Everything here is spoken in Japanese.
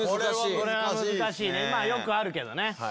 難しいねまぁよくあるけどね。